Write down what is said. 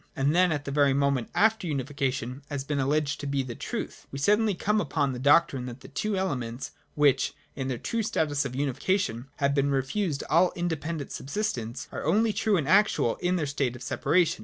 And then, at the very moment after unification has been alleged to be the truth, we suddenly come upon the doctrine that the two elements, which, in their true status of unification, had been refused all independent subsistence, are only true and actual in their state of separation.